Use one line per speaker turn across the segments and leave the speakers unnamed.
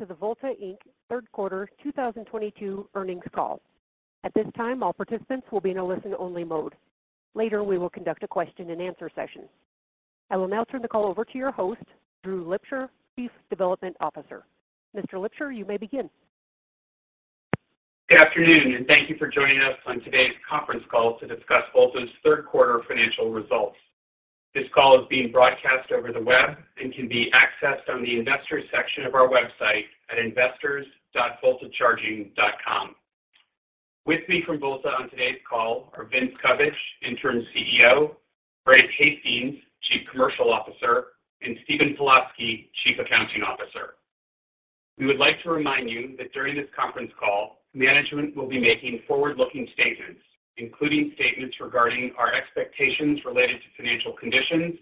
To the Volta Inc third quarter 2022 earnings call. At this time, all participants will be in a listen only mode. Later, we will conduct a question and answer session. I will now turn the call over to your host, Drew Lipsher, Chief Development Officer. Mr. Lipsher, you may begin.
Good afternoon, and thank you for joining us on today's conference call to discuss Volta's third quarter financial results. This call is being broadcast over the web and can be accessed on the investors section of our website at investors.voltacharging.com. With me from Volta on today's call are Vince Cubbage, Interim CEO; Brandt Hastings, Chief Commercial Officer; and Stephen Pilatzke, Chief Accounting Officer. We would like to remind you that during this conference call, management will be making forward-looking statements, including statements regarding our expectations related to financial conditions,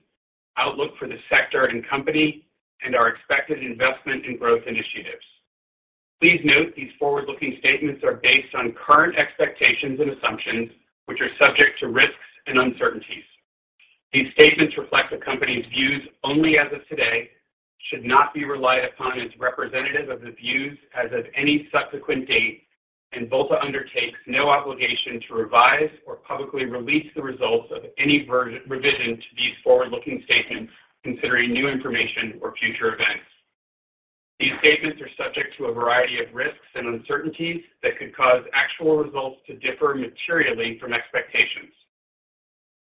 outlook for the sector and company, and our expected investment in growth initiatives. Please note these forward-looking statements are based on current expectations and assumptions, which are subject to risks and uncertainties. These statements reflect the company's views only as of today, should not be relied upon as representative of the views as of any subsequent date, and Volta undertakes no obligation to revise or publicly release the results of any revision to these forward-looking statements considering new information or future events. These statements are subject to a variety of risks and uncertainties that could cause actual results to differ materially from expectations.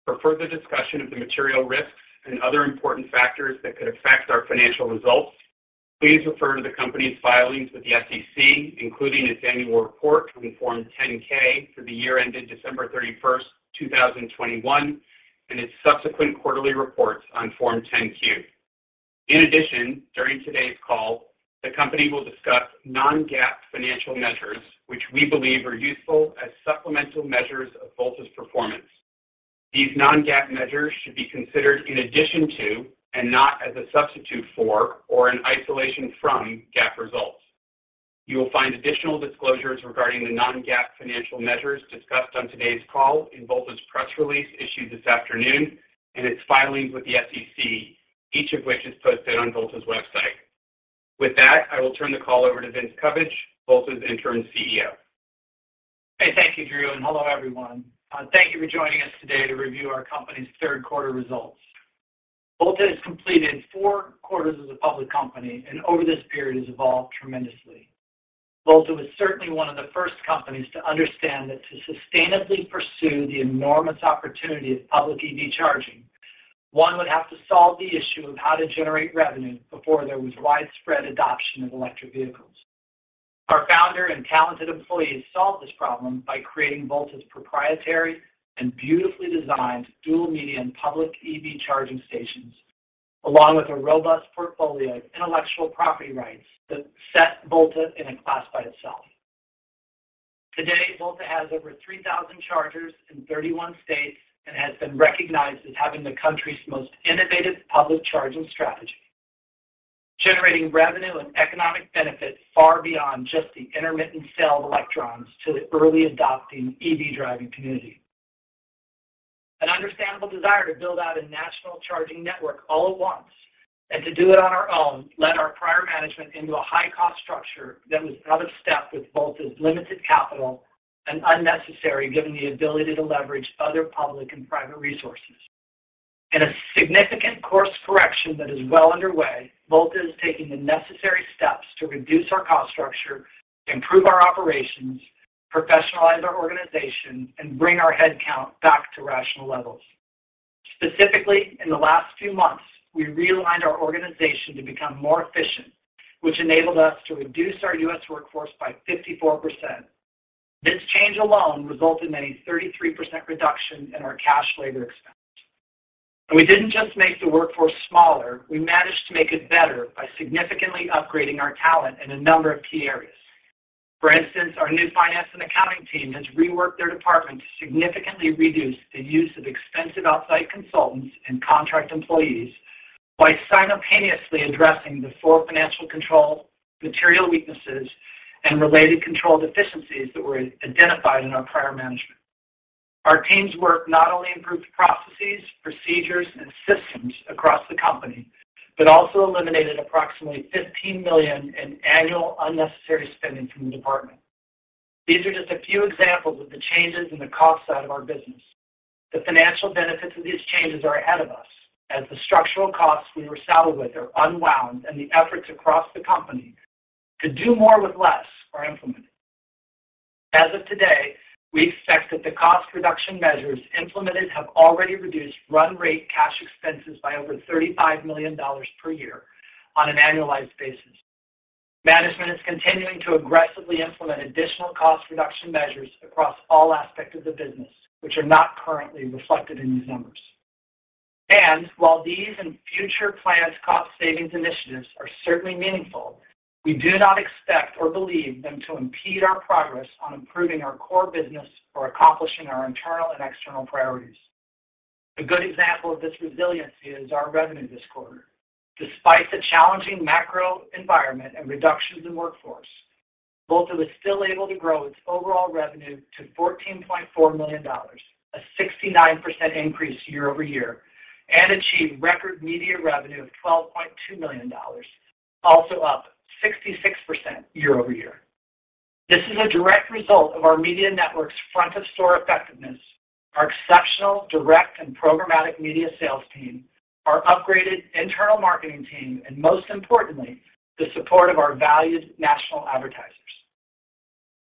For further discussion of the material risks and other important factors that could affect our financial results, please refer to the company's filings with the SEC, including its annual report on Form 10-K for the year ended December 31, 2021, and its subsequent quarterly reports on Form 10-Q. In addition, during today's call, the company will discuss non-GAAP financial measures, which we believe are useful as supplemental measures of Volta's performance. These non-GAAP measures should be considered in addition to and not as a substitute for or an isolation from GAAP results. You will find additional disclosures regarding the non-GAAP financial measures discussed on today's call in Volta's press release issued this afternoon and its filings with the SEC, each of which is posted on Volta's website. With that, I will turn the call over to Vince Cubbage, Volta's Interim CEO.
Okay. Thank you, Drew, and hello, everyone. Thank you for joining us today to review our company's third quarter results. Volta has completed four quarters as a public company, and over this period has evolved tremendously. Volta was certainly one of the first companies to understand that to sustainably pursue the enormous opportunity of public EV charging, one would have to solve the issue of how to generate revenue before there was widespread adoption of electric vehicles. Our founder and talented employees solved this problem by creating Volta's proprietary and beautifully designed dual-media public EV charging stations, along with a robust portfolio of intellectual property rights that set Volta in a class by itself. Today, Volta has over 3,000 chargers in 31 states and has been recognized as having the country's most innovative public charging strategy, generating revenue and economic benefits far beyond just the intermittent sale of electrons to the early adopting EV driving community. An understandable desire to build out a national charging network all at once and to do it on our own led our prior management into a high cost structure that was out of step with Volta's limited capital and unnecessary given the ability to leverage other public and private resources. In a significant course correction that is well underway, Volta is taking the necessary steps to reduce our cost structure, improve our operations, professionalize our organization, and bring our head count back to rational levels. Specifically, in the last few months, we realigned our organization to become more efficient, which enabled us to reduce our U.S. workforce by 54%. This change alone resulted in a 33% reduction in our cash labor expense. We didn't just make the workforce smaller, we managed to make it better by significantly upgrading our talent in a number of key areas. For instance, our new finance and accounting team has reworked their department to significantly reduce the use of expensive off-site consultants and contract employees by simultaneously addressing the four financial control material weaknesses and related control deficiencies that were identified in our prior management. Our team's work not only improved the processes, procedures, and systems across the company, but also eliminated approximately $15 million in annual unnecessary spending from the department. These are just a few examples of the changes in the cost side of our business. The financial benefits of these changes are ahead of us as the structural costs we were saddled with are unwound and the efforts across the company to do more with less are implemented. As of today, we expect that the cost reduction measures implemented have already reduced run rate cash expenses by over $35 million per year on an annualized basis. Management is continuing to aggressively implement additional cost reduction measures across all aspects of the business, which are not currently reflected in these numbers. While these and future planned cost savings initiatives are certainly meaningful, we do not expect or believe them to impede our progress on improving our core business or accomplishing our internal and external priorities. A good example of this resilience is our revenue this quarter. Despite the challenging macro environment and reductions in workforce, Volta was still able to grow its overall revenue to $14.4 million, a 69% increase year-over-year, and achieve record media revenue of $12.2 million, also up 66% year-over-year. This is a direct result of our media network's front of store effectiveness, our exceptional direct and programmatic media sales team, our upgraded internal marketing team, and most importantly, the support of our valued national advertisers.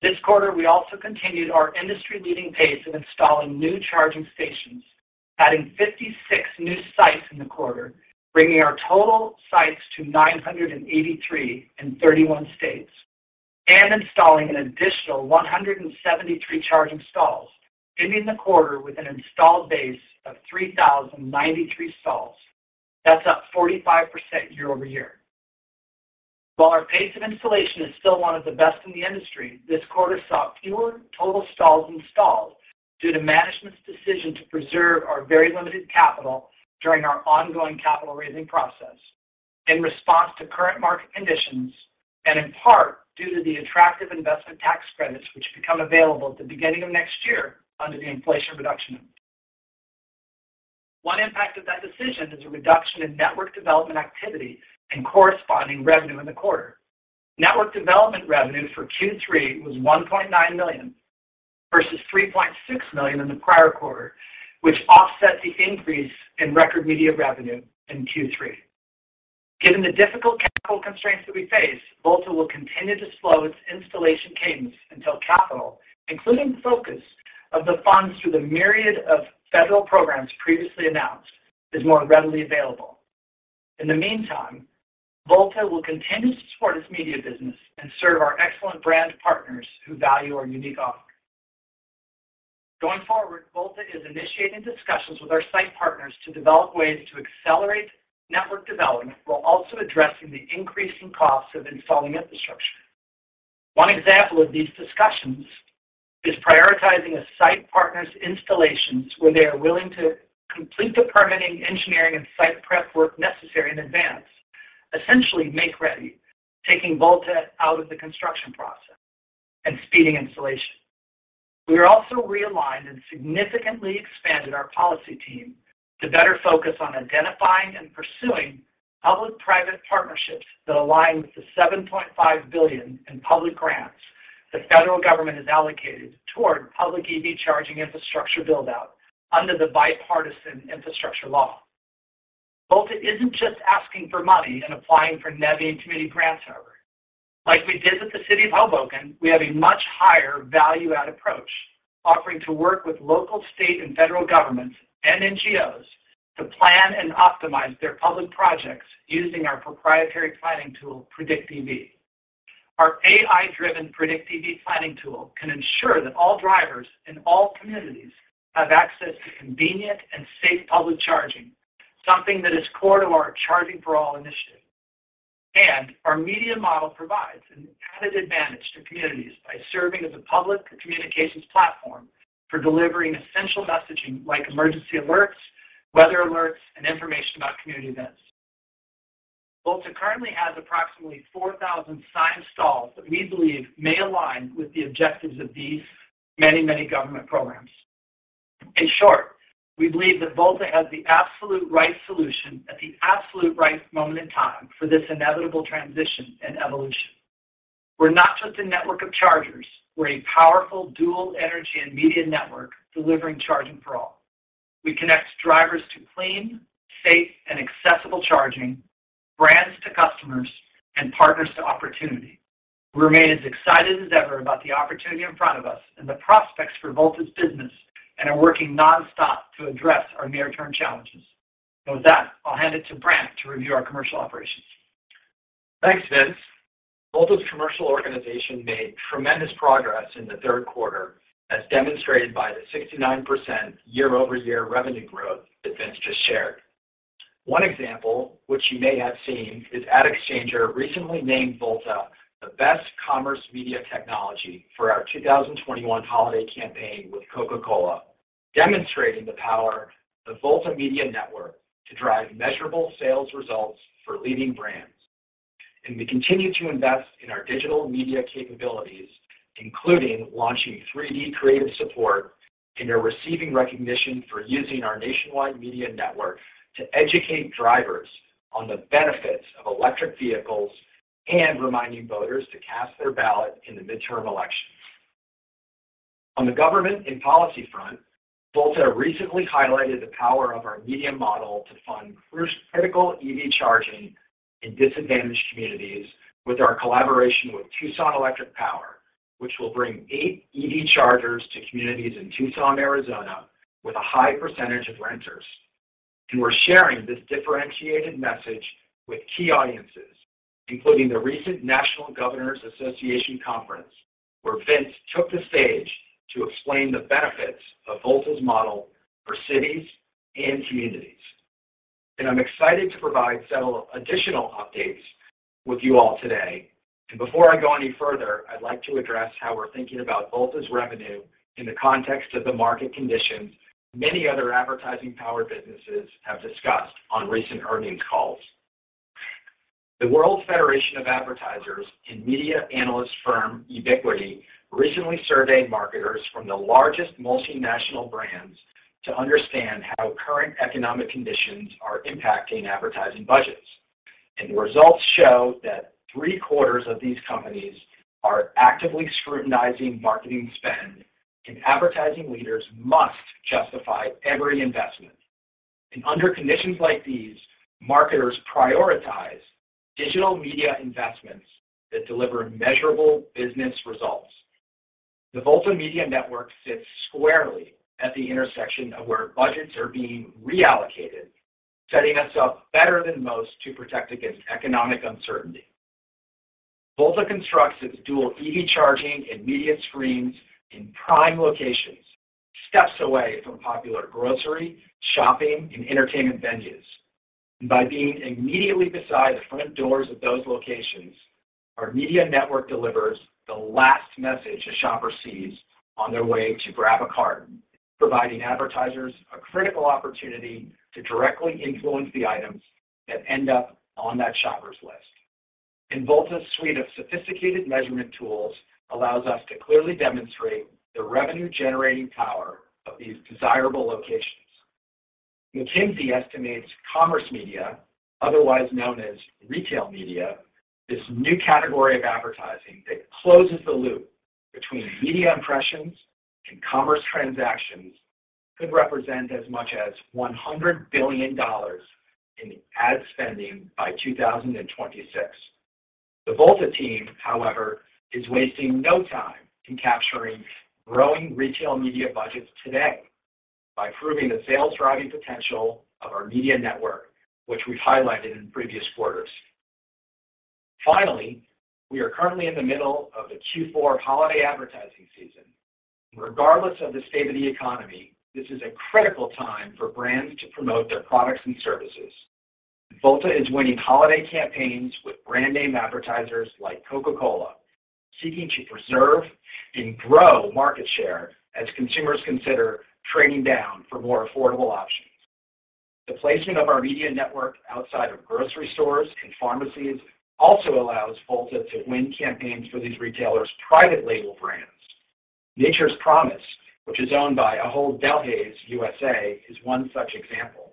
This quarter, we also continued our industry-leading pace of installing new charging stations, adding 56 new sites in the quarter, bringing our total sites to 983 in 31 states, and installing an additional 173 charging stalls, ending the quarter with an installed base of 3,093 stalls. That's up 45% year-over-year. While our pace of installation is still one of the best in the industry, this quarter saw fewer total stalls installed due to management's decision to preserve our very limited capital during our ongoing capital raising process in response to current market conditions and in part due to the attractive investment tax credits which become available at the beginning of next year under the Inflation Reduction Act. One impact of that decision is a reduction in network development activity and corresponding revenue in the quarter. Network development revenue for Q3 was $1.9 million versus $3.6 million in the prior quarter, which offset the increase in record media revenue in Q3. Given the difficult capital constraints that we face, Volta will continue to slow its installation cadence until capital, including influx of the funds through the myriad of federal programs previously announced, is more readily available. In the meantime, Volta will continue to support its media business and serve our excellent brand partners who value our unique offering. Going forward, Volta is initiating discussions with our site partners to develop ways to accelerate network development while also addressing the increasing costs of installing infrastructure. One example of these discussions is prioritizing a site partner's installations where they are willing to complete the permitting, engineering, and site prep work necessary in advance, essentially make ready, taking Volta out of the construction process and speeding installation. We are also realigned and significantly expanded our policy team to better focus on identifying and pursuing public-private partnerships that align with the $7.5 billion in public grants the federal government has allocated toward public EV charging infrastructure build out under the Bipartisan Infrastructure Law. Volta isn't just asking for money and applying for NEVI and community grants, however. Like we did with the City of Hoboken, we have a much higher value add approach, offering to work with local, state, and federal governments and NGOs to plan and optimize their public projects using our proprietary planning tool, PredictEV. Our AI-driven PredictEV planning tool can ensure that all drivers in all communities have access to convenient and safe public charging, something that is core to our Charging For All initiative. Our media model provides an added advantage to communities by serving as a public communications platform for delivering essential messaging like emergency alerts, weather alerts, and information about community events. Volta currently has approximately 4,000 signed stalls that we believe may align with the objectives of these many, many government programs. In short, we believe that Volta has the absolute right solution at the absolute right moment in time for this inevitable transition and evolution. We're not just a network of chargers. We're a powerful dual energy and media network delivering Charging For All. We connect drivers to clean, safe, and accessible charging, brands to customers, and partners to opportunity. We remain as excited as ever about the opportunity in front of us and the prospects for Volta's business and are working nonstop to address our near-term challenges. With that, I'll hand it to Brandt to review our commercial operations.
Thanks, Vince. Volta's commercial organization made tremendous progress in the third quarter, as demonstrated by the 69% year-over-year revenue growth that Vince just shared. One example, which you may have seen, is AdExchanger recently named Volta the best commerce media technology for our 2021 holiday campaign with Coca-Cola, demonstrating the power of the Volta Media Network to drive measurable sales results for leading brands. We continue to invest in our digital media capabilities, including launching 3D creative support and are receiving recognition for using our nationwide media network to educate drivers on the benefits of electric vehicles and reminding voters to cast their ballot in the midterm elections. On the government and policy front, Volta recently highlighted the power of our media model to fund first critical EV charging in disadvantaged communities with our collaboration with Tucson Electric Power, which will bring eight EV chargers to communities in Tucson, Arizona, with a high percentage of renters. We're sharing this differentiated message with key audiences, including the recent National Governors Association conference, where Vince took the stage to explain the benefits of Volta's model for cities and communities. I'm excited to provide several additional updates with you all today. Before I go any further, I'd like to address how we're thinking about Volta's revenue in the context of the market conditions many other advertising power businesses have discussed on recent earnings calls. The World Federation of Advertisers and media analyst firm Ebiquity recently surveyed marketers from the largest multinational brands to understand how current economic conditions are impacting advertising budgets. The results show that three-quarters of these companies are actively scrutinizing marketing spend, and advertising leaders must justify every investment. Under conditions like these, marketers prioritize digital media investments that deliver measurable business results. The Volta Media Network sits squarely at the intersection of where budgets are being reallocated, setting us up better than most to protect against economic uncertainty. Volta constructs its dual EV charging and media screens in prime locations, steps away from popular grocery, shopping, and entertainment venues. By being immediately beside the front doors of those locations, our media network delivers the last message a shopper sees on their way to grab a cart, providing advertisers a critical opportunity to directly influence the items that end up on that shopper's list. Volta's suite of sophisticated measurement tools allows us to clearly demonstrate the revenue-generating power of these desirable locations. McKinsey estimates commerce media, otherwise known as retail media. This new category of advertising that closes the loop between media impressions and commerce transactions could represent as much as $100 billion in ad spending by 2026. The Volta team, however, is wasting no time in capturing growing retail media budgets today by proving the sales-driving potential of our media network, which we've highlighted in previous quarters. Finally, we are currently in the middle of the Q4 holiday advertising season. Regardless of the state of the economy, this is a critical time for brands to promote their products and services. Volta is winning holiday campaigns with brand-name advertisers like Coca-Cola, seeking to preserve and grow market share as consumers consider trading down for more affordable options. The placement of our media network outside of grocery stores and pharmacies also allows Volta to win campaigns for these retailers' private label brands. Nature's Promise, which is owned by Ahold Delhaize USA, is one such example.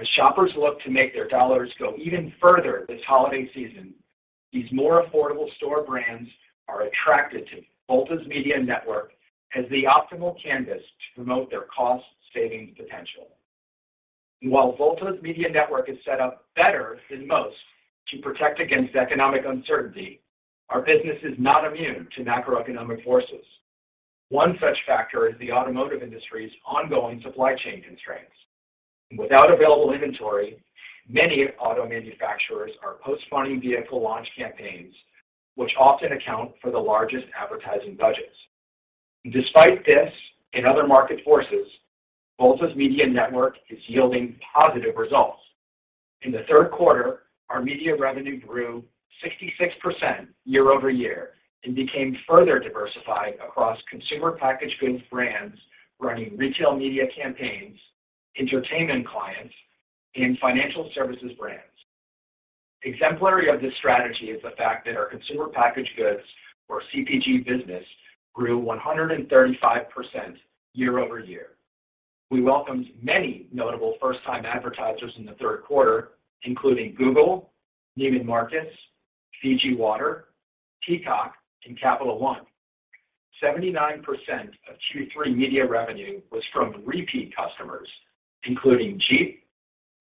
As shoppers look to make their dollars go even further this holiday season, these more affordable store brands are attracted to Volta's media network as the optimal canvas to promote their cost-saving potential. While Volta's media network is set up better than most to protect against economic uncertainty, our business is not immune to macroeconomic forces. One such factor is the automotive industry's ongoing supply chain constraints. Without available inventory, many auto manufacturers are postponing vehicle launch campaigns, which often account for the largest advertising budgets. Despite this and other market forces, Volta's media network is yielding positive results. In the third quarter, our media revenue grew 66% year-over-year and became further diversified across consumer packaged goods brands running retail media campaigns, entertainment clients, and financial services brands. Exemplary of this strategy is the fact that our consumer packaged goods or CPG business grew 135% year-over-year. We welcomed many notable first-time advertisers in the third quarter, including Google, Neiman Marcus, FIJI Water, Peacock, and Capital One. 79% of Q3 media revenue was from repeat customers, including Jeep,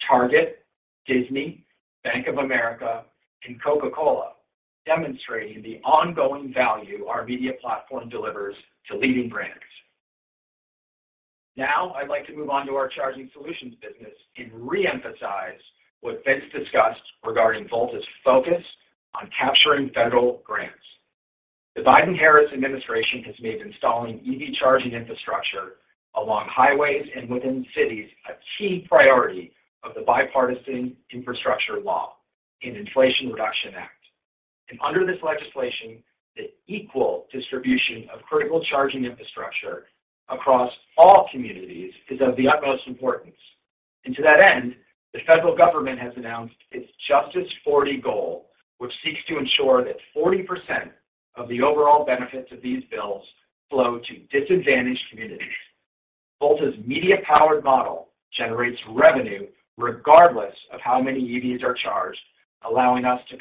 Target, Disney, Bank of America, and Coca-Cola, demonstrating the ongoing value our media platform delivers to leading brands. Now I'd like to move on to our charging solutions business and reemphasize what Vince discussed regarding Volta's focus on capturing federal grants. The Biden-Harris administration has made installing EV charging infrastructure along highways and within cities a key priority of the Bipartisan Infrastructure Law and Inflation Reduction Act. Under this legislation, the equal distribution of critical charging infrastructure across all communities is of the utmost importance. To that end, the federal government has announced its Justice40 goal, which seeks to ensure that 40% of the overall benefits of these bills flow to disadvantaged communities. Volta's media-powered model generates revenue regardless of how many EVs are charged, allowing us to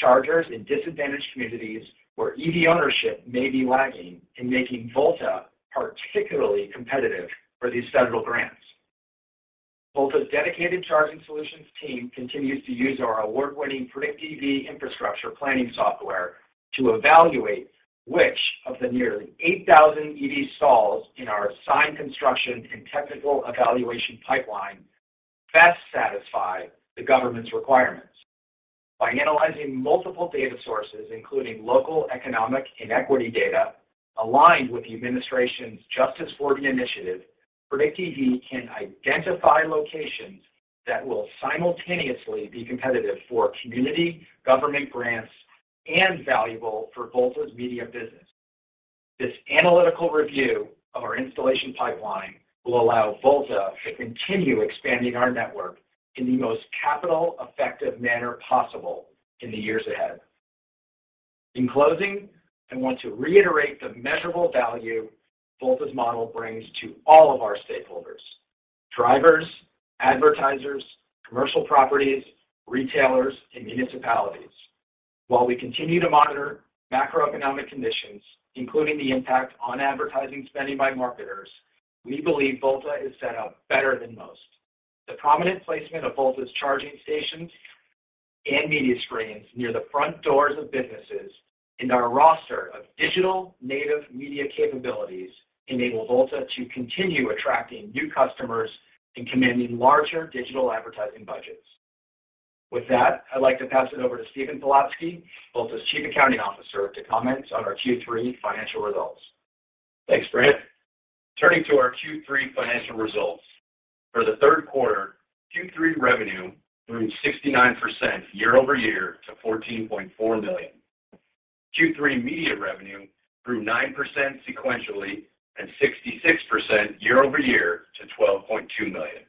construct chargers in disadvantaged communities where EV ownership may be lagging and making Volta particularly competitive for these federal grants. Volta's dedicated charging solutions team continues to use our award-winning PredictEV infrastructure planning software to evaluate which of the nearly 8,000 EV stalls in our assigned construction and technical evaluation pipeline best satisfy the government's requirements. By analyzing multiple data sources, including local economic inequity data, aligned with the administration's Justice40 initiative, PredictEV can identify locations that will simultaneously be competitive for community government grants and valuable for Volta's media business. This analytical review of our installation pipeline will allow Volta to continue expanding our network in the most capital-effective manner possible in the years ahead. In closing, I want to reiterate the measurable value Volta's model brings to all of our stakeholders, drivers, advertisers, commercial properties, retailers, and municipalities. While we continue to monitor macroeconomic conditions, including the impact on advertising spending by marketers, we believe Volta is set up better than most. The prominent placement of Volta's charging stations and media screens near the front doors of businesses and our roster of digital native media capabilities enable Volta to continue attracting new customers and commanding larger digital advertising budgets. With that, I'd like to pass it over to Stephen Pilatzke, Volta's Chief Accounting Officer, to comment on our Q3 financial results.
Thanks, Brandt. Turning to our Q3 financial results. For the third quarter, Q3 revenue grew 69% year-over-year to $14.4 million. Q3 media revenue grew 9% sequentially and 66% year-over-year to $12.2 million.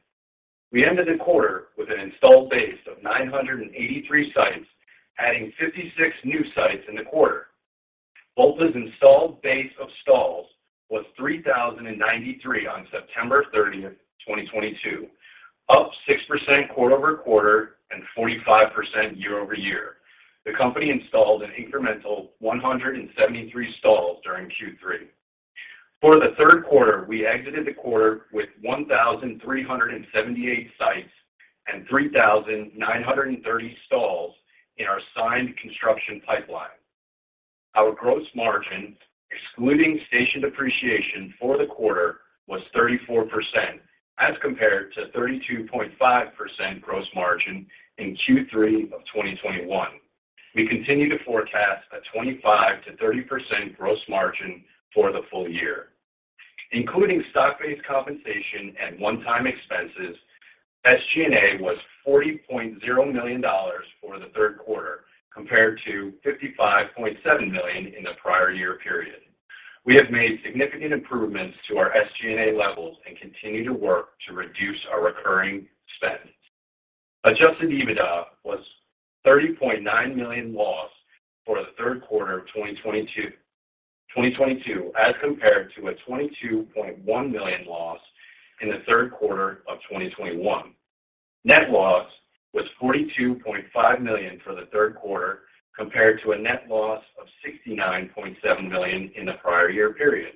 We ended the quarter with an installed base of 983 sites, adding 56 new sites in the quarter. Volta's installed base of stalls was 3,093 on September 30, 2022, up 6% quarter-over-quarter and 45% year-over-year. The company installed an incremental 173 stalls during Q3. For the third quarter, we exited the quarter with 1,378 sites and 3,930 stalls in our signed construction pipeline. Our gross margin, excluding station depreciation for the quarter, was 34% as compared to 32.5% gross margin in Q3 of 2021. We continue to forecast a 25%-30% gross margin for the full year. Including stock-based compensation and one-time expenses, SG&A was $40.0 million for the third quarter, compared to $55.7 million in the prior year period. We have made significant improvements to our SG&A levels and continue to work to reduce our recurring spend. Adjusted EBITDA was $30.9 million loss for the third quarter of 2022, as compared to a $22.1 million loss in the third quarter of 2021. Net loss was $42.5 million for the third quarter, compared to a net loss of $69.7 million in the prior year period.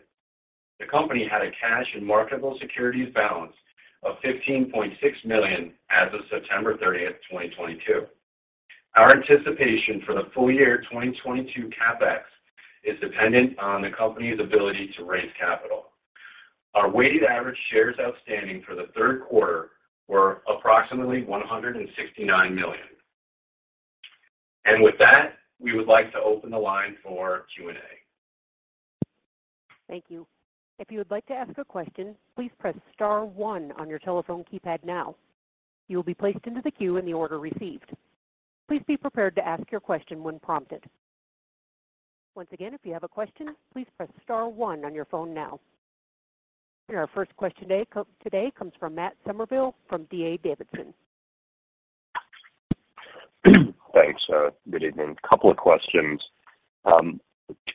The company had a cash and marketable securities balance of $15.6 million as of September 30, 2022. Our anticipation for the full year 2022 CapEx is dependent on the company's ability to raise capital. Our weighted average shares outstanding for the third quarter were approximately 169 million. With that, we would like to open the line for Q&A.
Thank you. If you would like to ask a question, please press star one on your telephone keypad now. You will be placed into the queue in the order received. Please be prepared to ask your question when prompted. Once again, if you have a question, please press star one on your phone now. Our first question today comes from Matt Summerville from D.A. Davidson.
Thanks. Good evening. A couple of questions. A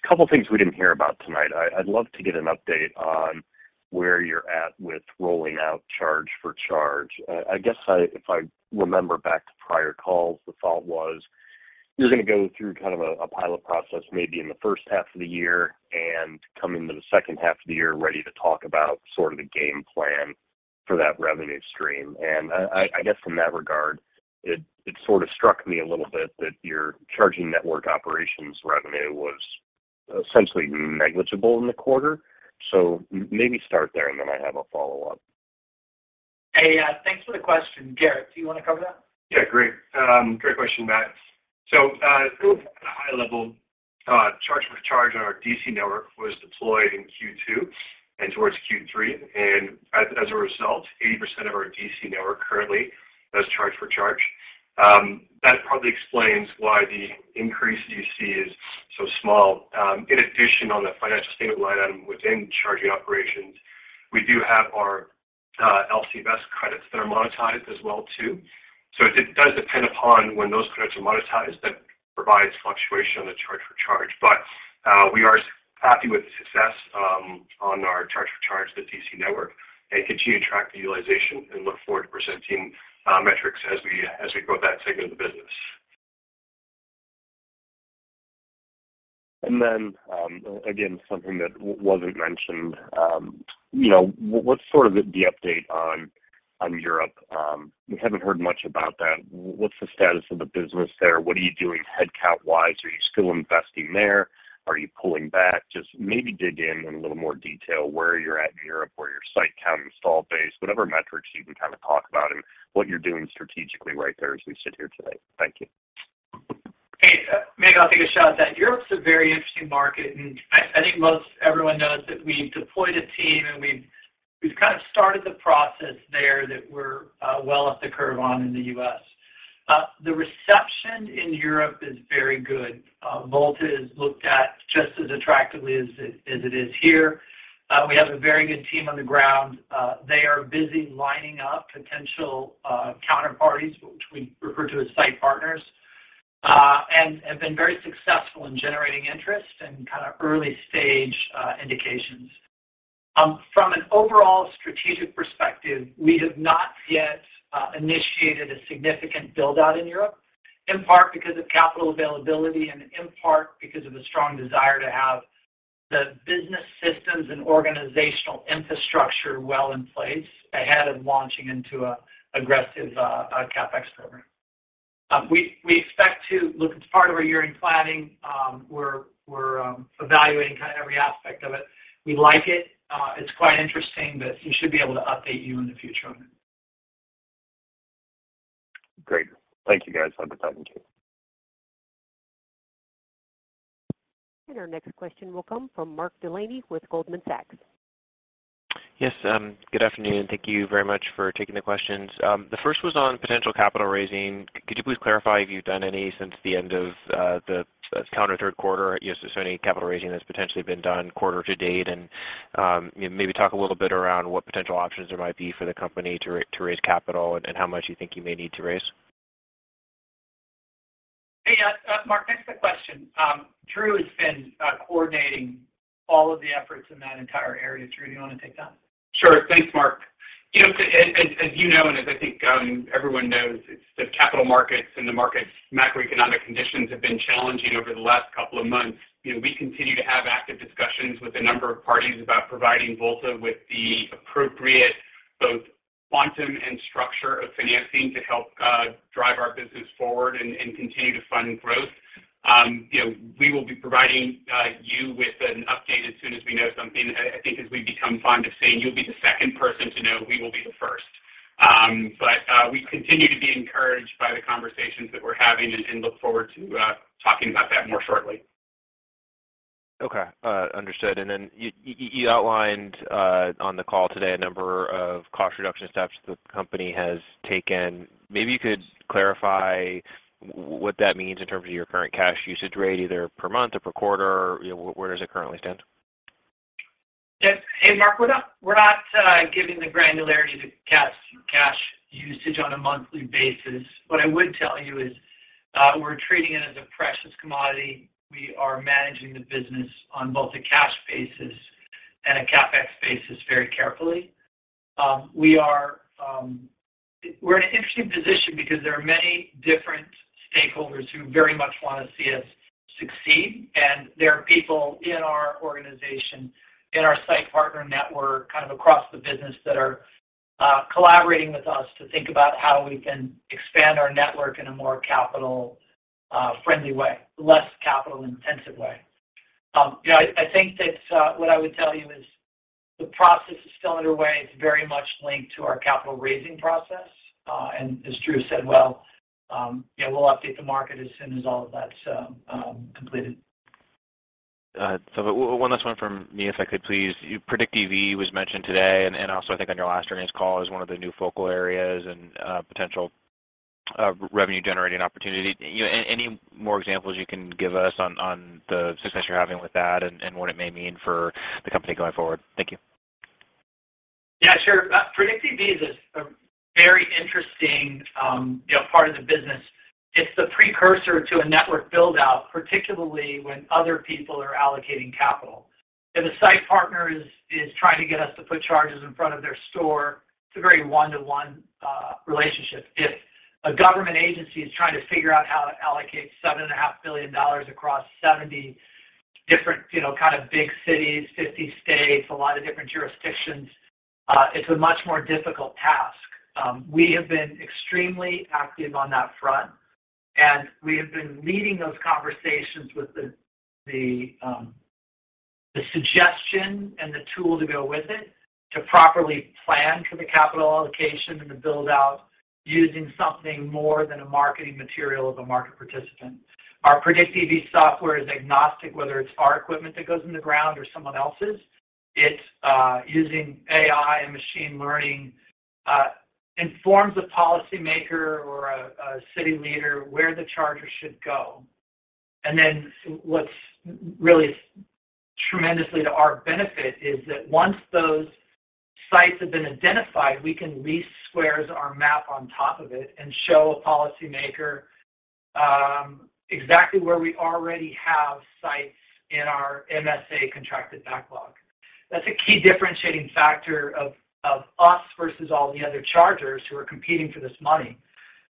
couple of things we didn't hear about tonight. I'd love to get an update on where you're at with rolling out pay-to-charge. I guess if I remember back to prior calls, the thought was you're gonna go through kind of a pilot process maybe in the first half of the year and come into the second half of the year ready to talk about sort of the game plan for that revenue stream. I guess in that regard, it sort of struck me a little bit that your charging network operations revenue was essentially negligible in the quarter. Maybe start there, and then I have a follow-up.
Hey, thanks for the question. Garrett, do you want to cover that?
Yeah, great. Great question, Matt. At a high level, charge for charge on our DC network was deployed in Q2 and towards Q3. As a result, 80% of our DC network currently does charge for charge. That probably explains why the increase you see is so small. In addition on the financial statement line item within charging operations, we do have our LCFS credits that are monetized as well, too. It does depend upon when those credits are monetized that provides fluctuation on the charge for charge. We are happy with the success on our charge for charge, the DC network, and continue to track the utilization and look forward to presenting metrics as we grow that segment of the business.
Again, something that wasn't mentioned, you know, what's sort of the update on Europe? We haven't heard much about that. What's the status of the business there? What are you doing headcount-wise? Are you still investing there? Are you pulling back? Just maybe dig in a little more detail where you're at in Europe, where your site count, install base, whatever metrics you can kind of talk about and what you're doing strategically right there as we sit here today. Thank you.
Hey, maybe I'll take a shot at that. Europe is a very interesting market, and I think most everyone knows that we deployed a team, and we've kind of started the process there that we're well ahead of the curve on in the U.S. The receipt. In Europe is very good. Volta is looked at just as attractively as it is here. We have a very good team on the ground. They are busy lining up potential counterparties, which we refer to as site partners, and have been very successful in generating interest and kinda early stage indications. From an overall strategic perspective, we have not yet initiated a significant build-out in Europe, in part because of capital availability and in part because of a strong desire to have the business systems and organizational infrastructure well in place ahead of launching into an aggressive CapEx program. We expect to look. It's part of our year-end planning. We're evaluating kinda every aspect of it. We like it. It's quite interesting, but we should be able to update you in the future on it.
Great. Thank you, guys. Have a good afternoon.
Our next question will come from Mark Delaney with Goldman Sachs.
Yes. Good afternoon. Thank you very much for taking the questions. The first was on potential capital raising. Could you please clarify if you've done any since the end of the calendar third quarter? Yes, is there any capital raising that's potentially been done quarter to date? You know, maybe talk a little bit around what potential options there might be for the company to raise capital and how much you think you may need to raise.
Hey, Mark, thanks for the question. Drew has been coordinating all of the efforts in that entire area. Drew, do you wanna take that?
Sure. Thanks, Mark. You know, as you know, and as I think everyone knows, it's the capital markets and the market's macroeconomic conditions have been challenging over the last couple of months. You know, we continue to have active discussions with a number of parties about providing Volta with the appropriate both quantum and structure of financing to help drive our business forward and continue to fund growth. You know, we will be providing you with an update as soon as we know something. I think as we've become fond of saying, "You'll be the second person to know. We will be the first." We continue to be encouraged by the conversations that we're having and look forward to talking about that more shortly.
Okay. Understood. You outlined on the call today a number of cost reduction steps the company has taken. Maybe you could clarify what that means in terms of your current cash usage rate, either per month or per quarter. You know, where does it currently stand?
Yes. Hey, Mark, we're not giving the granularity to cash usage on a monthly basis. What I would tell you is, we're treating it as a precious commodity. We are managing the business on both a cash basis and a CapEx basis very carefully. We're in an interesting position because there are many different stakeholders who very much wanna see us succeed, and there are people in our organization, in our site partner network, kind of across the business that are collaborating with us to think about how we can expand our network in a more capital friendly way, less capital-intensive way. You know, I think that what I would tell you is the process is still underway. It's very much linked to our capital raising process. As Drew said, well, you know, we'll update the market as soon as all of that's completed.
One last one from me, if I could please. PredictEV was mentioned today, and also I think on your last earnings call as one of the new focal areas and potential revenue generating opportunity. You know, any more examples you can give us on the success you're having with that and what it may mean for the company going forward? Thank you.
Yeah, sure. PredictEV is a very interesting, you know, part of the business. It's the precursor to a network build-out, particularly when other people are allocating capital. If a site partner is trying to get us to put chargers in front of their store, it's a very one-to-one relationship. If a government agency is trying to figure out how to allocate $7.5 billion across 70 different, you know, kind of big cities, 50 states, a lot of different jurisdictions, it's a much more difficult task. We have been extremely active on that front, and we have been leading those conversations with the suggestion and the tool to go with it to properly plan for the capital allocation and the build-out using something more than a marketing material of a market participant. Our PredictEV software is agnostic, whether it's our equipment that goes in the ground or someone else's. It's using AI and machine learning informs a policymaker or a city leader where the chargers should go. What's really tremendously to our benefit is that once those sites have been identified, we can lease squares or map on top of it and show a policymaker exactly where we already have sites in our MSA contracted backlog. That's a key differentiating factor of us versus all the other chargers who are competing for this money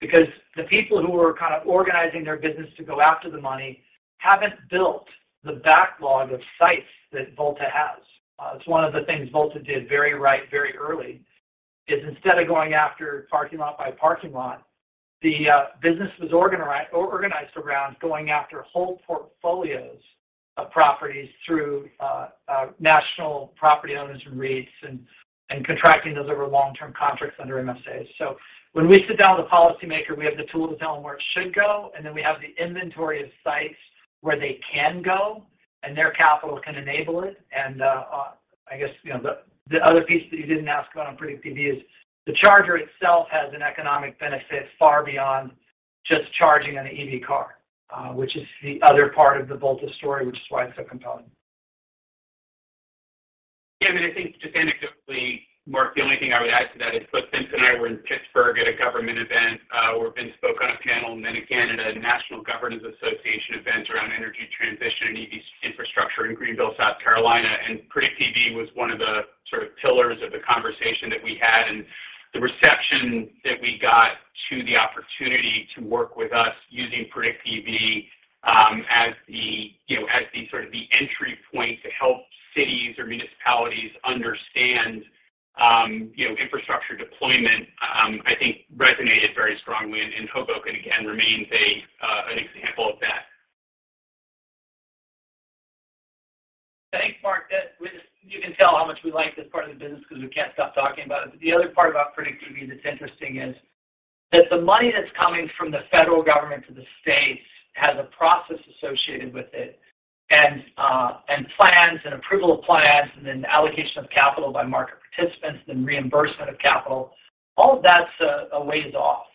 because the people who are kind of organizing their business to go after the money haven't built the backlog of sites that Volta has. It's one of the things Volta did very right very early, is instead of going after parking lot by parking lot, the business was organized around going after whole portfolios of properties through national property owners and REITs and contracting those over long-term contracts under MSAs. When we sit down with a policymaker, we have the tool to tell them where it should go, and then we have the inventory of sites where they can go. Their capital can enable it. I guess, you know, the other piece that you didn't ask about on PredictEV is the charger itself has an economic benefit far beyond just charging an EV car, which is the other part of the Volta story, which is why it's so compelling.
Yeah. I mean, I think just anecdotally, Mark, the only thing I would add to that is, look, Vince and I were in Pittsburgh at a government event, where Vince spoke on a panel and then in Canada, a National Governors Association event around energy transition and EV infrastructure in Greenville, South Carolina. PredictEV was one of the sort of pillars of the conversation that we had. The reception that we got to the opportunity to work with us using PredictEV, as the, you know, as the sort of the entry point to help cities or municipalities understand, you know, infrastructure deployment, I think resonated very strongly. Hoboken, again, remains a, an example of that.
I think, Mark, that you can tell how much we like this part of the business because we can't stop talking about it. The other part about PredictEV that's interesting is that the money that's coming from the federal government to the states has a process associated with it, and plans, and approval of plans, and then allocation of capital by market participants, then reimbursement of capital. All of that's a ways off.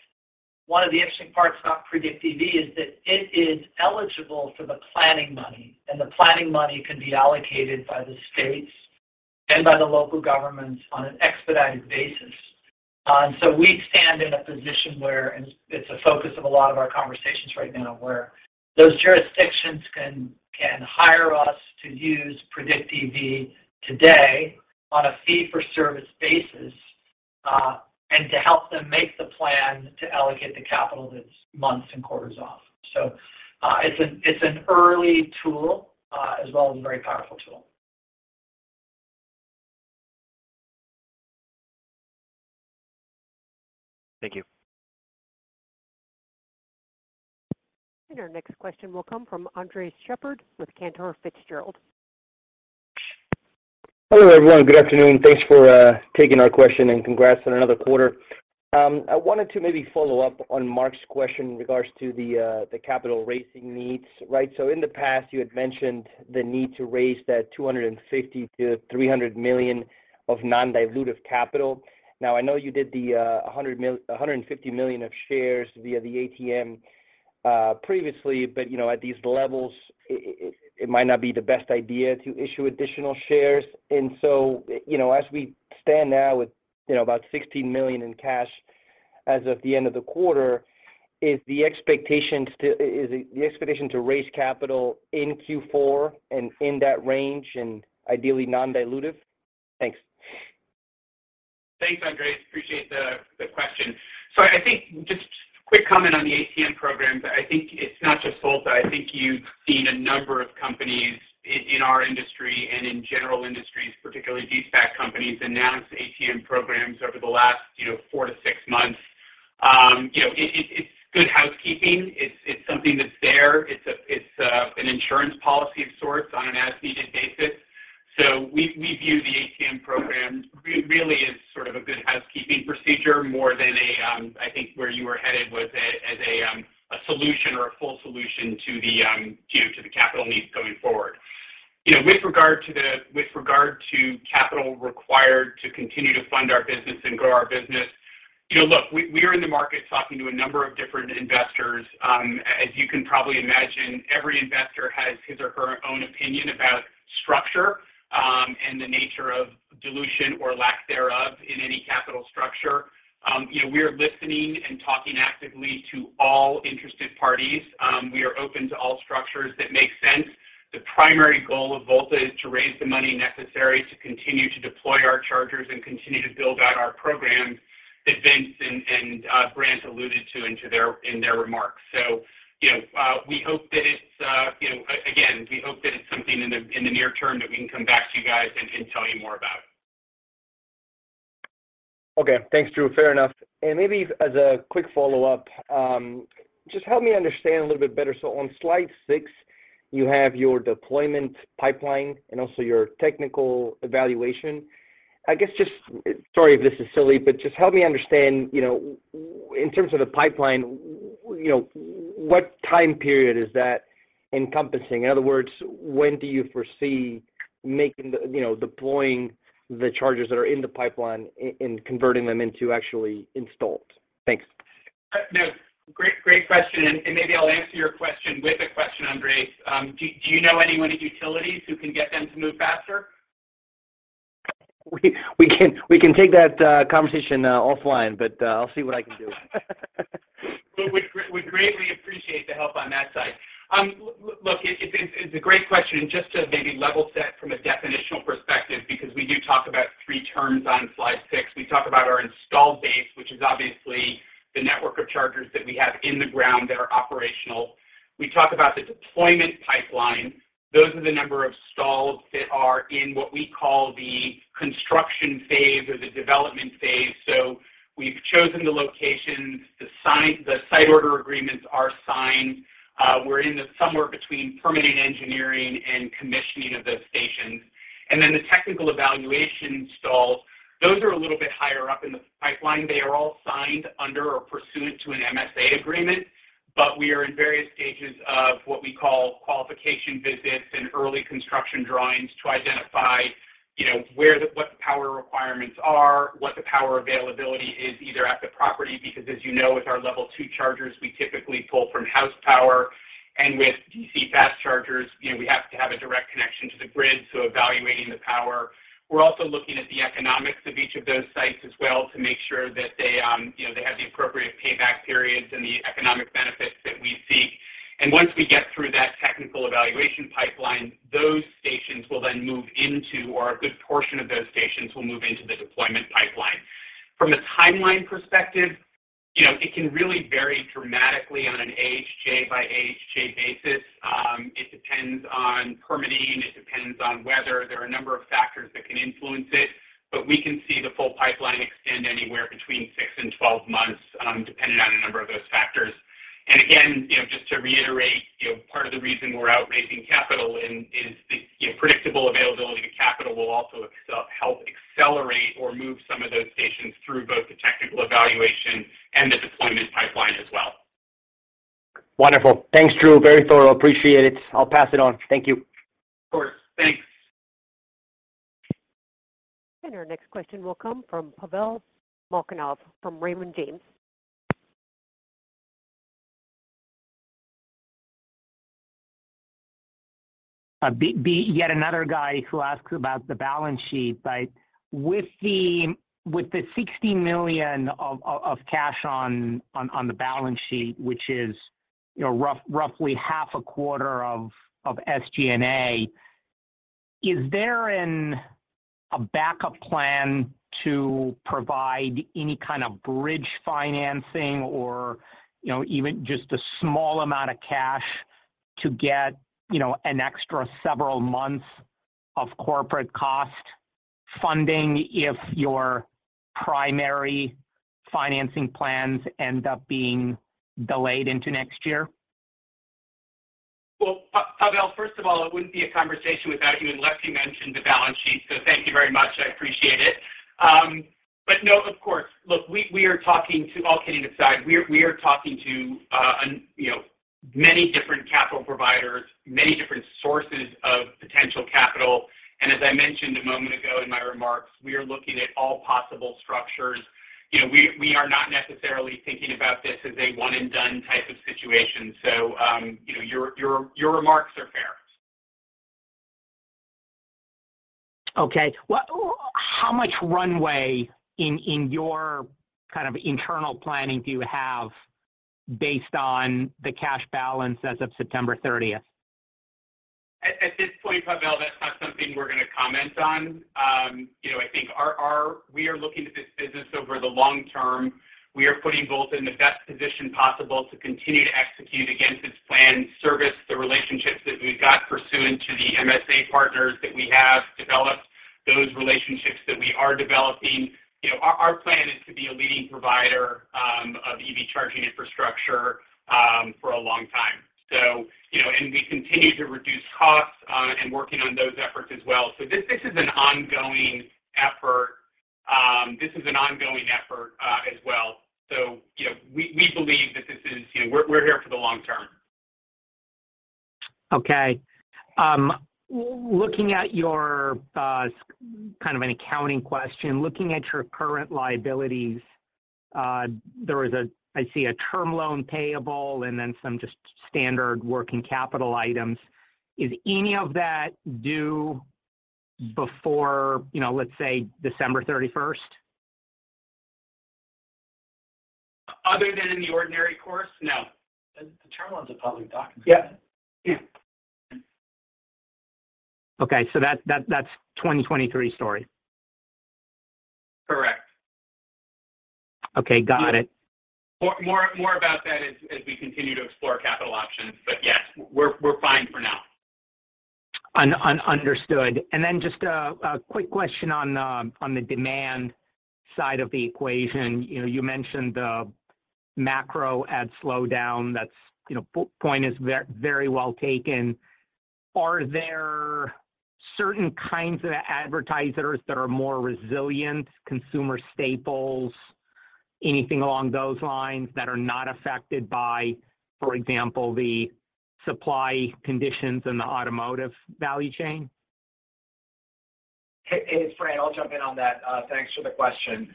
One of the interesting parts about PredictEV is that it is eligible for the planning money, and the planning money can be allocated by the states and by the local governments on an expedited basis. We stand in a position where, and it's a focus of a lot of our conversations right now, where those jurisdictions can hire us to use PredictEV today on a fee-for-service basis, and to help them make the plan to allocate the capital that's months and quarters off. It's an early tool, as well as a very powerful tool.
Thank you.
Our next question will come from Andres Sheppard with Cantor Fitzgerald.
Hello, everyone. Good afternoon. Thanks for taking our question, and congrats on another quarter. I wanted to maybe follow up on Mark's question in regards to the capital raising needs, right? In the past, you had mentioned the need to raise that $250-$300 million of non-dilutive capital. Now, I know you did the $150 million of shares via the ATM previously, but you know, at these levels, it might not be the best idea to issue additional shares. You know, as we stand now with you know, about $16 million in cash as of the end of the quarter, is the expectation to raise capital in Q4 and in that range and ideally non-dilutive? Thanks.
Thanks, Andres. Appreciate the question. I think just quick comment on the ATM programs. I think it's not just Volta. I think you've seen a number of companies in our industry and in general industries, particularly de-SPAC companies, announce ATM programs over the last four to six months. It's good housekeeping. It's something that's there. It's an insurance policy of sorts on an as-needed basis. We view the ATM program really as sort of a good housekeeping procedure more than a I think where you were headed with it, as a solution or a full solution to the capital needs going forward. You know, with regard to capital required to continue to fund our business and grow our business, you know, look, we are in the market talking to a number of different investors. As you can probably imagine, every investor has his or her own opinion about structure, and the nature of dilution or lack thereof in any capital structure. You know, we're listening and talking actively to all interested parties. We are open to all structures that make sense. The primary goal of Volta is to raise the money necessary to continue to deploy our chargers and continue to build out our programs that Vince and Brandt alluded to in their remarks. We hope that it's you know. Again, we hope that it's something in the near term that we can come back to you guys and tell you more about.
Okay. Thanks, Drew. Fair enough. Maybe as a quick follow-up, just help me understand a little bit better. On slide six, you have your deployment pipeline and also your technical evaluation. I guess just, sorry if this is silly, but just help me understand, you know, in terms of the pipeline, you know, what time period is that encompassing? In other words, when do you foresee making the, you know, deploying the charges that are in the pipeline and converting them into actually installed? Thanks.
No. Great question, and maybe I'll answer your question with a question, Andres. Do you know anyone in utilities who can get them to move faster?
We can take that conversation offline, but I'll see what I can do.
We would greatly appreciate the help on that side. Look, it's a great question, just to maybe level set from a definitional perspective, because we do talk about three terms on slide six. We talk about our installed base, which is obviously the network of chargers that we have in the ground that are operational. We talk about the deployment pipeline. Those are the number of stalls that are in what we call the construction phase or the development phase. We've chosen the locations, the site order agreements are signed. We're somewhere between permitting, engineering, and commissioning of those stations. Then the technical evaluation installed, those are a little bit higher up in the pipeline. They are all signed under or pursuant to an MSA agreement, but we are in various stages of what we call qualification visits and early construction drawings to identify, you know, where what the power requirements are, what the power availability is either at the property, because as you know, with our level two chargers, we typically pull from house power and with DC fast chargers, you know, we have to have a direct connection to the grid, so evaluating the power. We're also looking at the economics of each of those sites as well to make sure that they, you know, they have the appropriate payback periods and the economic benefits that we seek. Once we get through that technical evaluation pipeline, those stations will then move into or a good portion of those stations will move into the deployment pipeline. From a timeline perspective, you know, it can really vary dramatically on an AHJ by AHJ basis. It depends on permitting, it depends on weather. There are a number of factors that can influence it, but we can see the full pipeline extend anywhere between six and 12 months, depending on a number of those factors. Again, you know, just to reiterate, you know, part of the reason we're out raising capital now is the, you know, predictable availability of capital will also help accelerate or move some of those stations through both the technical evaluation and the deployment pipeline as well.
Wonderful. Thanks, Drew. Very thorough. Appreciate it. I'll pass it on. Thank you.
Of course. Thanks.
Our next question will come from Pavel Molchanov from Raymond James.
I'll be yet another guy who asks about the balance sheet, but with the $60 million of cash on the balance sheet, which is, you know, roughly half a quarter of SG&A, is there a backup plan to provide any kind of bridge financing or, you know, even just a small amount of cash to get, you know, an extra several months of corporate cost funding if your primary financing plans end up being delayed into next year?
Well, Pavel, first of all, it wouldn't be a conversation without you unless you mentioned the balance sheet. Thank you very much. I appreciate it. No, of course. Look, all kidding aside, we are talking to, you know, many different capital providers, many different sources of potential capital. As I mentioned a moment ago in my remarks, we are looking at all possible structures. You know, we are not necessarily thinking about this as a one and done type of situation. You know, your remarks are fair.
Okay. Well, how much runway in your kind of internal planning do you have based on the cash balance as of September 30th?
At this point, Pavel, that's not something we're going to comment on. You know, I think we are looking at this business over the long term. We are putting Volta in the best position possible to continue to execute against its planned service, the relationships that we've got pursuant to the MSA partners that we have developed, those relationships that we are developing. You know, our plan is to be a leading provider of EV charging infrastructure for a long time. You know, we continue to reduce costs and working on those efforts as well. This is an ongoing effort. This is an ongoing effort as well. You know, we believe that this is, you know, we're here for the long term.
Okay. Looking at your kind of an accounting question, looking at your current liabilities, I see a term loan payable and then some just standard working capital items. Is any of that due before, you know, let's say December 31st?
Other than in the ordinary course? No.
The term loan is a public document.
Yeah. Okay. That's 2023 story.
Correct.
Okay. Got it.
More about that as we continue to explore capital options. Yes, we're fine for now.
Understood. Just a quick question on the demand side of the equation. You know, you mentioned the macro ad slowdown. That's, you know, point is very well taken. Are there certain kinds of advertisers that are more resilient, consumer staples, anything along those lines that are not affected by, for example, the supply conditions in the automotive value chain?
Hey, hey, it's Brandt Hastings. I'll jump in on that. Thanks for the question.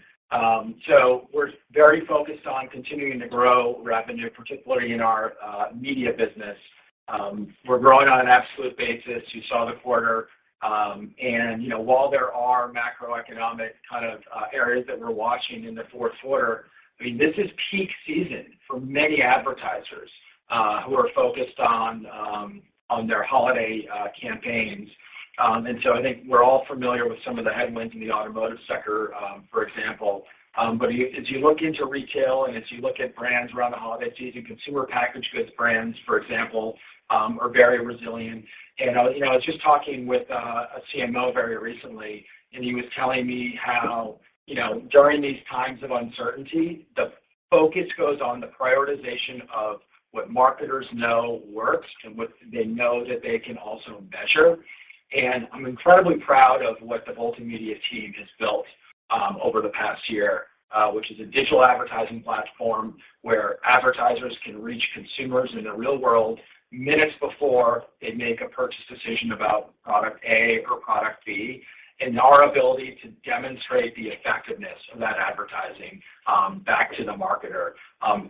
So we're very focused on continuing to grow revenue, particularly in our media business. We're growing on an absolute basis. You saw the quarter. You know, while there are macroeconomic kind of areas that we're watching in the fourth quarter, I mean, this is peak season for many advertisers who are focused on their holiday campaigns. I think we're all familiar with some of the headwinds in the automotive sector, for example. As you look into retail and as you look at brands around the holidays, consumer packaged goods brands, for example, are very resilient. You know, I was just talking with a CMO very recently, and he was telling me how, you know, during these times of uncertainty, the focus goes on the prioritization of what marketers know works and what they know that they can also measure. I'm incredibly proud of what the Volta media team has built over the past year, which is a digital advertising platform where advertisers can reach consumers in the real world minutes before they make a purchase decision about product A or product B. Our ability to demonstrate the effectiveness of that advertising back to the marketer,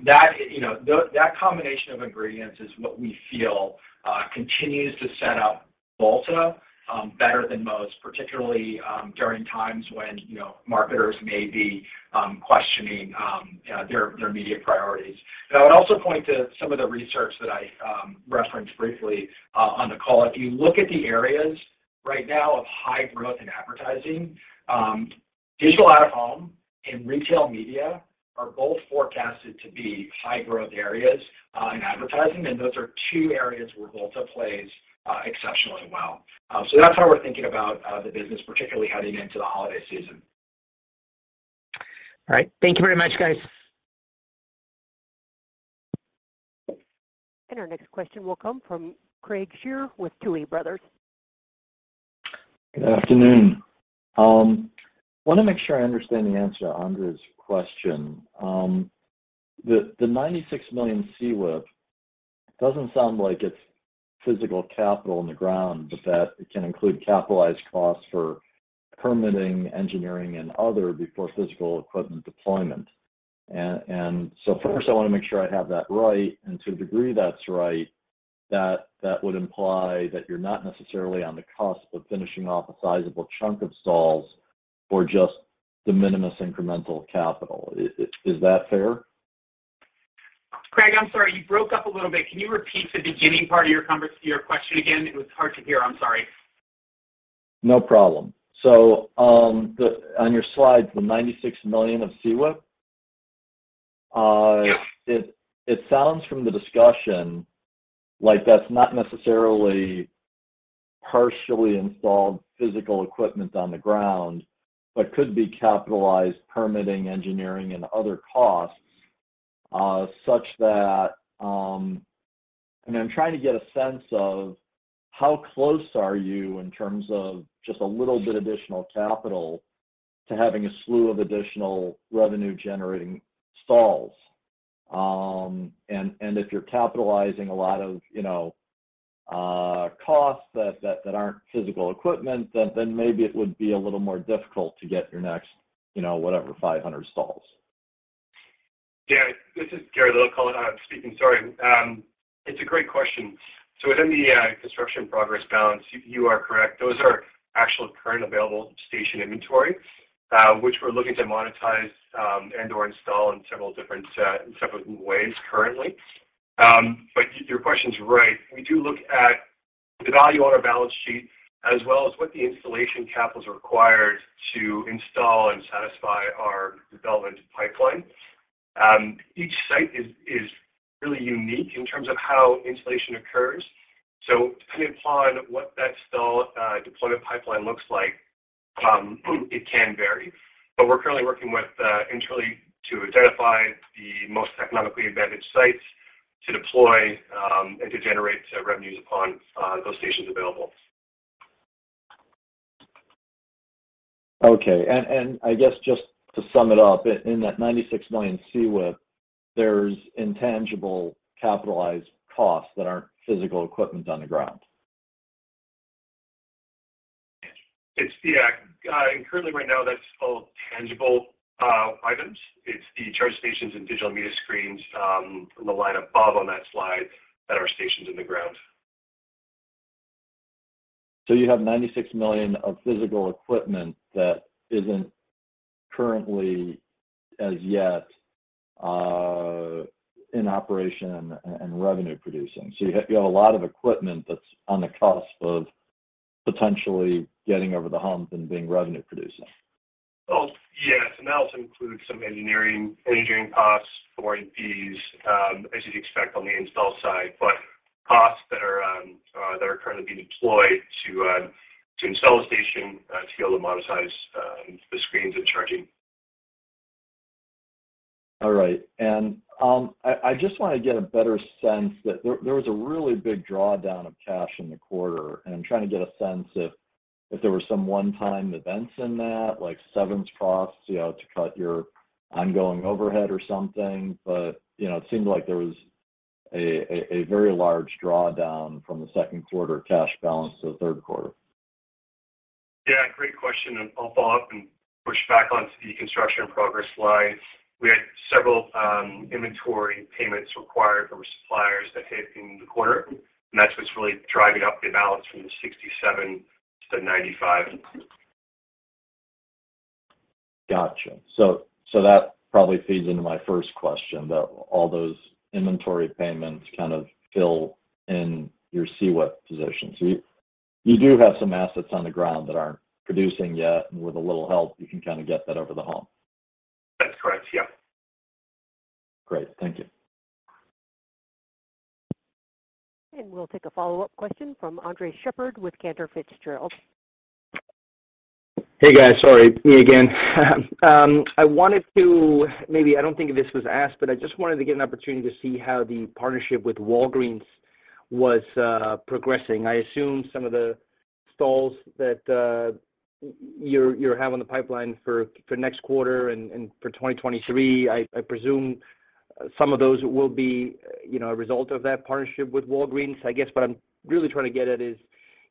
that you know that combination of ingredients is what we feel continues to set up Volta better than most, particularly during times when, you know, marketers may be questioning yeah their media priorities. Now, I'd also point to some of the research that I referenced briefly on the call. If you look at the areas right now of high growth in advertising, digital out-of-home and retail media are both forecasted to be high-growth areas in advertising, and those are two areas where Volta plays exceptionally well. That's how we're thinking about the business, particularly heading into the holiday season.
All right. Thank you very much, guys.
Our next question will come from Craig Shere with Tuohy Brothers.
Good afternoon. Wanna make sure I understand the answer to Andres's question. The $96 million CWIP doesn't sound like it's physical capital in the ground, but that it can include capitalized costs for permitting, engineering, and other before physical equipment deployment. First I wanna make sure I have that right, and to a degree that's right, that would imply that you're not necessarily on the cusp of finishing off a sizable chunk of stalls or just de minimis incremental capital. Is that fair?
Craig, I'm sorry. You broke up a little bit. Can you repeat the beginning part of your question again? It was hard to hear. I'm sorry.
No problem. The one on your slide, the $96 million of CWIP.
Yes.
It sounds from the discussion like that's not necessarily partially installed physical equipment on the ground, but could be capitalized permitting, engineering and other costs, such that I'm trying to get a sense of how close are you in terms of just a little bit additional capital to having a slew of additional revenue-generating stalls. If you're capitalizing a lot of, you know, costs that aren't physical equipment, then maybe it would be a little more difficult to get your next, you know, whatever, 500 stalls.
This is Stephen Pilatzke calling, speaking. Sorry. It's a great question. Within the construction progress balance, you are correct. Those are actual current available station inventory, which we're looking to monetize, and/or install in several different ways currently. Your question's right. We do look at the value on our balance sheet as well as what the installation CapEx are required to install and satisfy our development pipeline. Each site is really unique in terms of how installation occurs. Depending upon what that deployment pipeline looks like, it can vary. We're currently working internally to identify the most economically advantaged sites to deploy, and to generate revenues upon those stations available.
Okay. I guess just to sum it up, in that $96 million CWIP, there's intangible capitalized costs that aren't physical equipment on the ground.
Yeah. Currently right now, that's all tangible items. It's the charging stations and digital media screens from the line above on that slide that are stationed in the ground.
You have $96 million of physical equipment that isn't currently as yet in operation and revenue producing. You have a lot of equipment that's on the cusp of potentially getting over the hump and being revenue producing.
Well, yes, and that also includes some engineering costs for fees, as you'd expect on the install side. Costs that are currently being deployed to install a station to be able to monetize the screens and charging.
All right. I just wanna get a better sense that there was a really big drawdown of cash in the quarter, and I'm trying to get a sense if there were some one-time events in that, like severance costs, you know, to cut your ongoing overhead or something. You know, it seemed like there was a very large drawdown from the second quarter cash balance to the third quarter.
Yeah. Great question, and I'll follow up and push back onto the construction progress slide. We had several inventory payments required from suppliers that hit in the quarter, and that's what's really driving up the balance from $67-$95.
Gotcha. That probably feeds into my first question, that all those inventory payments kind of fill in your CWIP position. You do have some assets on the ground that aren't producing yet, and with a little help, you can kinda get that over the hump.
That's correct. Yeah.
Great. Thank you.
We'll take a follow-up question from Andres Sheppard with Cantor Fitzgerald.
Hey guys, sorry. Me again. Maybe I don't think this was asked, but I just wanted to get an opportunity to see how the partnership with Walgreens was progressing. I assume some of the stalls that you're having the pipeline for next quarter and for 2023, I presume some of those will be, you know, a result of that partnership with Walgreens. I guess what I'm really trying to get at is,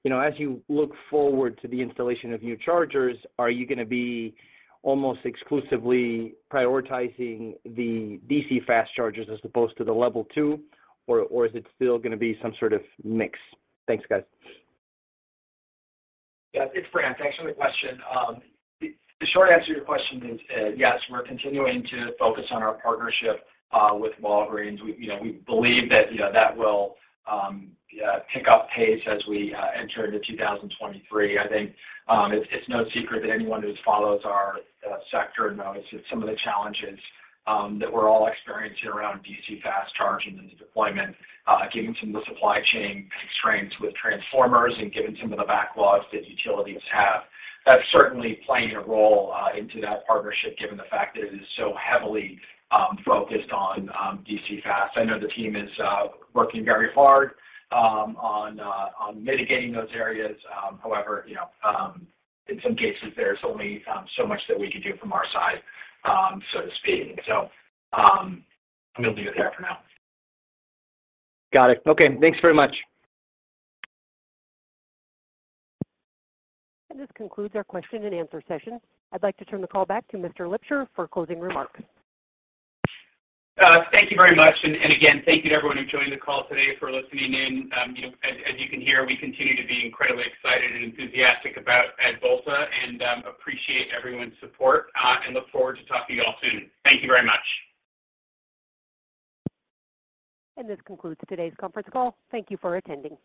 you know, as you look forward to the installation of new chargers, are you gonna be almost exclusively prioritizing the DC fast chargers as opposed to the level two or is it still gonna be some sort of mix? Thanks, guys.
Yeah. It's Brant. Thanks for the question. The short answer to your question is, yes, we're continuing to focus on our partnership with Walgreens. You know, we believe that, you know, that will pick up pace as we enter into 2023. I think, it's no secret that anyone who follows our sector knows that some of the challenges that we're all experiencing around DC fast charging and deployment, given some of the supply chain constraints with transformers and given some of the backlogs that utilities have, that's certainly playing a role into that partnership given the fact that it is so heavily focused on DC fast. I know the team is working very hard on mitigating those areas. However, you know, in some cases there's only so much that we can do from our side, so to speak. I'm gonna leave it there for now.
Got it. Okay, thanks very much.
This concludes our question and answer session. I'd like to turn the call back to Mr. Lipsher for closing remarks.
Thank you very much. Again, thank you to everyone who joined the call today for listening in. You know, as you can hear, we continue to be incredibly excited and enthusiastic at Volta and appreciate everyone's support and look forward to talking to you all soon. Thank you very much.
This concludes today's conference call. Thank you for attending.